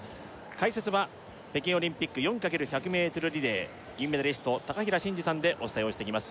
解説は北京オリンピック４×１００ｍリレー銀メダリスト平慎士さんでお伝えをしていきます